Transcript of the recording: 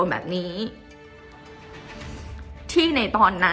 จนดิวไม่แน่ใจว่าความรักที่ดิวได้รักมันคืออะไร